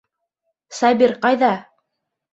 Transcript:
Сабир ҡайҙа?